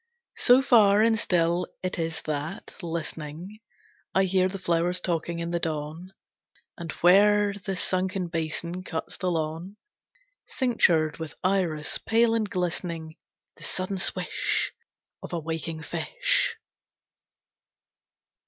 So far and still it is that, listening, I hear the flowers talking in the dawn; And where a sunken basin cuts the lawn, Cinctured with iris, pale and glistening, The sudden swish Of a waking fish.